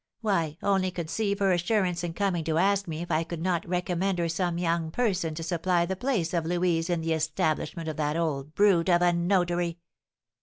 Why, only conceive her assurance in coming to ask me if I could not recommend her some young person to supply the place of Louise in the establishment of that old brute of a notary.